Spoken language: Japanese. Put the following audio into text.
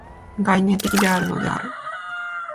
概念的であるのである。